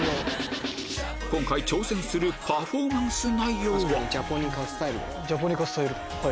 今回挑戦するパフォーマンス内容は